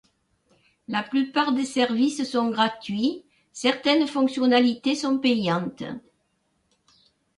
La plupart des services sont gratuits, certaines fonctionnalités sont payantes.